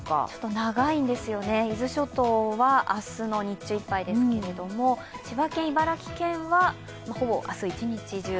長いんですよね、伊豆諸島は明日の日中いっぱいですけれども、千葉県、茨城県はほぼ明日一日中。